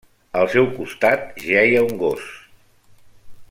Al seu costat jeia un gos.